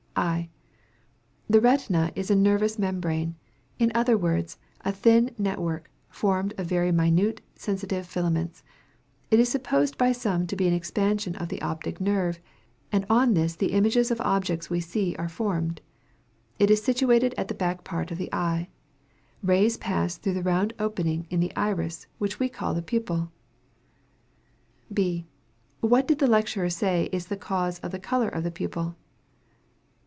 I. The retina is a nervous membrane; in other words a thin net work, formed of very minute sensitive filaments. It is supposed by some to be an expansion of the optic nerve; and on this the images of objects we see are formed. It is situated at the back part of the eye. Rays pass through the round opening in the iris, which we call the pupil. B. What did the lecturer say is the cause of the color of the pupil?